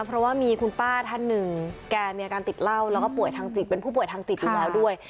เพราะว่ามีคุณป้าท่านหนึ่งแกมีอาการติดเหล้าแล้วก็ป่วยทางจิตเป็นผู้ป่วยทางจิตอยู่แล้วด้วย